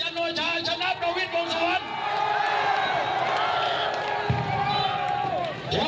อย่างโนชาศ์ชนะบรวมวิทย์โบราณสวรรค์